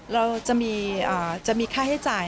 เรารู้อยู่แล้วว่าเราจะมีค่าให้จ่าย